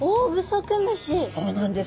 そうなんです。